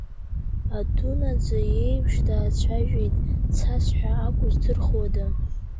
Адунаӡа иеиԥш даацәажәеит, цасҳәа акәу здырхуада.